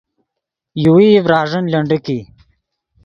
یوویئی ڤراݱین لنڈیک ای